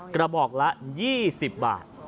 กระบอกละ๒๐บาท